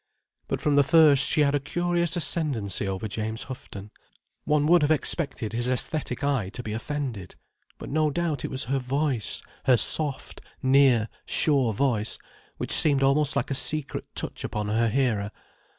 But from the first she had a curious ascendancy over James Houghton. One would have expected his æsthetic eye to be offended. But no doubt it was her voice: her soft, near, sure voice, which seemed almost like a secret touch upon her hearer.